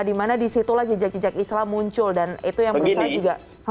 dimana disitulah jejak jejak islam muncul dan itu yang berusaha juga